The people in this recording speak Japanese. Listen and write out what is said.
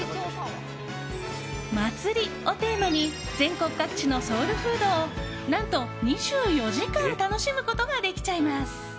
祭りをテーマに全国各地のソウルフードを何と２４時間楽しむことができちゃいます。